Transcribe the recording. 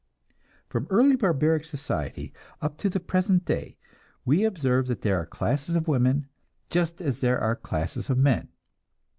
From early barbaric society up to the present day, we observe that there are classes of women, just as there are classes of men.